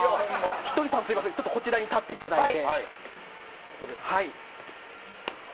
ひとりさん、こちらに立っていただいて。